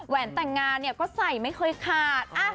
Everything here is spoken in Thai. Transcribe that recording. แหวนแต่งงานก็ใส่ไม่เคยขาด